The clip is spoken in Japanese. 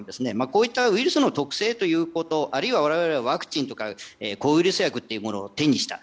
こういったウイルスの特性あるいは我々がワクチンとか抗ウイルス薬というものを手にした。